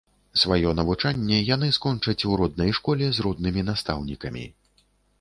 Сваё навучанне яны скончаць у роднай школе з роднымі настаўнікамі.